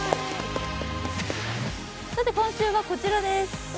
今週はこちらです。